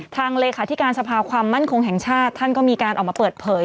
เลขาธิการสภาความมั่นคงแห่งชาติท่านก็มีการออกมาเปิดเผย